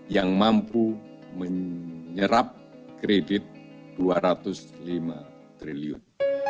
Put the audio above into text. yang mampu menyerap kredit dua ratus lima triliun